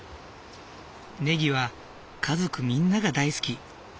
ネギは家族みんなが大好き。